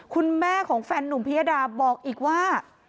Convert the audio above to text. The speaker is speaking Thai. คุณแม่ของแฟนนุ่มพิยดาบอกอีกว่า